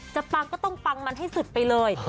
ปังก็ต้องปังมันให้สุดไปเลย